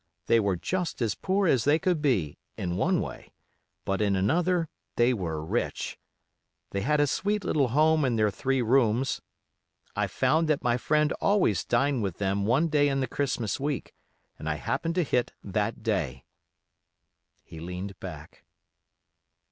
They were just as poor as they could be, in one way, but in another they were rich. He had a sweet little home in their three rooms. I found that my friend always dined with them one day in the Christmas week, and I happened to hit that day." He leaned back.